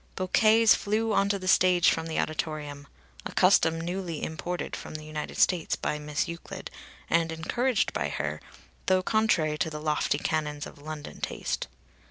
Bouquets flew on to the stage from the auditorium (a custom newly imported from the United States by Miss Euclid, and encouraged by her, though contrary to the lofty canons of London taste).